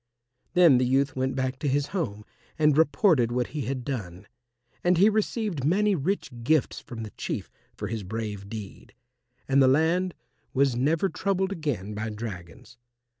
Then the youth went back to his home and reported what he had done. And he received many rich gifts from the Chief for his brave deed, and the land was never troubled again by dragons.